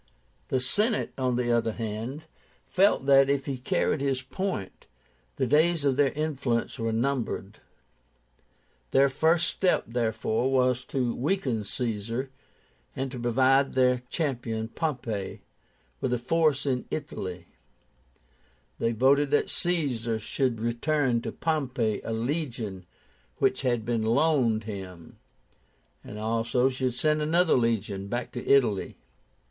The Senate, on the other hand, felt that, if he carried his point, the days of their influence were numbered. Their first step, therefore, was to weaken Caesar, and to provide their champion, Pompey, with a force in Italy, They voted that Caesar should return to Pompey a legion which had been loaned him, and also should send another legion back to Italy.